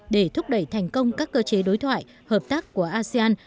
để thúc đẩy thành công các cơ chế đối thoại hợp tác của asean